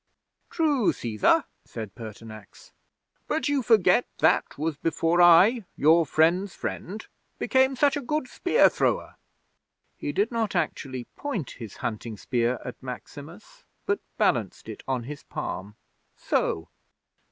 '"True, Cæsar," said Pertinax; "but you forget that was before I, your friend's friend, became such a good spear thrower." 'He did not actually point his hunting spear at Maximus, but balanced it on his palm so!